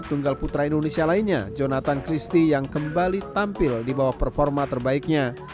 tunggal putra indonesia lainnya jonathan christie yang kembali tampil di bawah performa terbaiknya